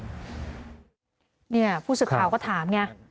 เนี่ยผู้ศึกคราวก็ถามเนี่ย